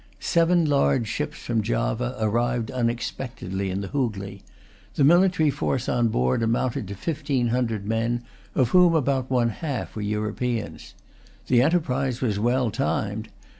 Seven large ships from Java arrived unexpectedly in the Hoogley. The military force on board amounted to fifteen hundred men, of whom about one half were Europeans. The enterprise was well timed.